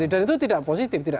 dan itu tidak positif